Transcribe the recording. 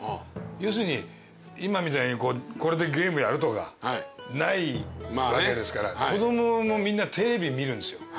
要するに今みたいにこれでゲームやるとかないわけですから子供もみんなテレビ見るんですよ。